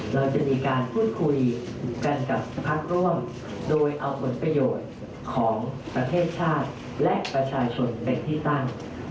เราจะมีการพูดคุยกันกับพักร่วมโดยเอาผลประโยชน์ของประเทศชาติและประชาชนเป็นที่ตั้ง